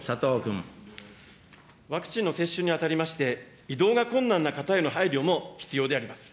ワクチンの接種にあたりまして、移動が困難な方への配慮も必要であります。